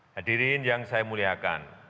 hadirin yang saya muliakan